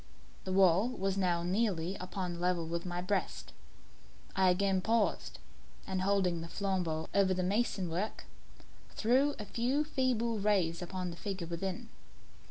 The wall was now nearly upon a level with my breast. I again paused, and holding the flambeaux over the mason work, threw a few feeble rays upon the figure within.